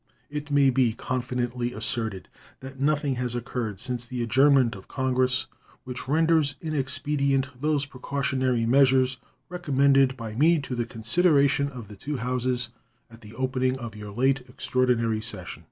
It may be confidently asserted that nothing has occurred since the adjournment of Congress which renders inexpedient those precautionary measures recommended by me to the consideration of the two Houses at the opening of your late extraordinary session.